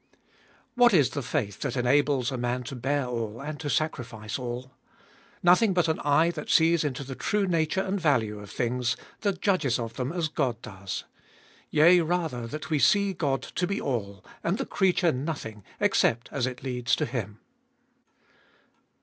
2. What is the faith that enables a man to bear all and to sacrifice all ? Nothing but an eye that sees into the true nature and value of things, that judges of them as God does. Yea, rather that we see God to be all, and the creature nothing except as it leads to Him.